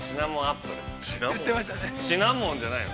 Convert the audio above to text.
◆シナモンじゃないの？